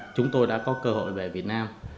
chúng tôi đã có cơ hội về việt nam